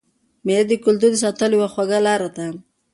مېلې د کلتور د ساتلو یوه خوږه لار ده.